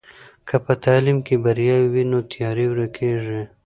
که په تعلیم کې بریا وي نو تیارې ورکېږي.